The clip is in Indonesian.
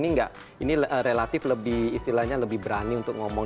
ini enggak ini relatif lebih istilahnya lebih berani untuk ngomong